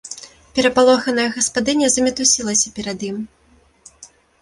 Перапалоханая гаспадыня замітусілася перад ім.